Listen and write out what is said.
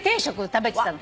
食べてたの。